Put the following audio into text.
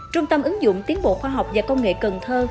trung tâm ứng dụng tiến bộ khoa học và công nghệ cần thơ